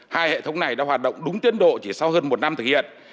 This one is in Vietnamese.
hai hệ thống này đã hoạt động đúng tiến độ chỉ sau hơn một năm thực hiện